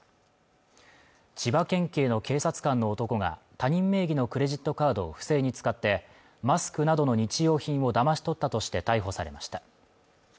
千葉県警の警察官の男が他人名義のクレジットカードを不正に使ってマスクなどの日用品をだまし取ったとして逮捕されました